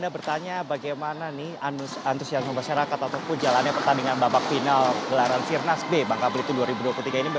pertanyaan bagaimana nih antusiasme bersyarakat atau jalanan pertandingan babak final gelaran firnas b bangka belitung dua ribu dua puluh tiga ini